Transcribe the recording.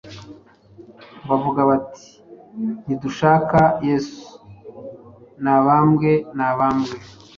bavuga bati « Ntidushaka Yesu, Nabambwe! Nabambwe!. »